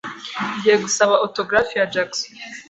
Ngiye gusaba autografi ya Jackson.